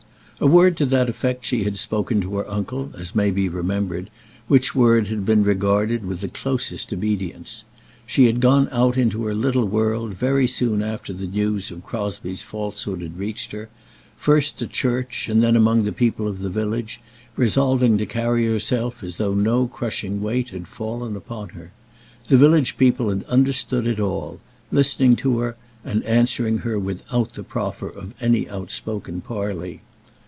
A word to that effect she had spoken to her uncle, as may be remembered, which word had been regarded with the closest obedience. She had gone out into her little world very soon after the news of Crosbie's falsehood had reached her, first to church and then among the people of the village, resolving to carry herself as though no crushing weight had fallen upon her. The village people had understood it all, listening to her and answering her without the proffer of any outspoken parley.